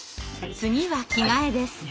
次は着替えです。